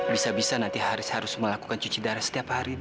bisa bisa nanti haris harus melakukan cuci darah setiap hari